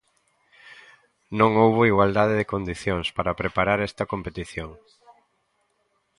Non houbo igualdade de condicións para preparar esta competición.